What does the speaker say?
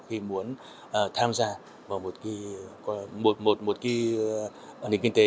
khi muốn tham gia vào một nền kinh tế